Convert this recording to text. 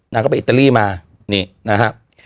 นางก็ไปอิตาลีมานี่นะครับ